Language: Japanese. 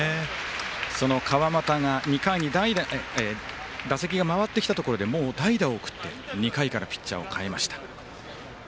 その川又が打席が回ってきたところでもう代打を送って２回からピッチャーを代えました。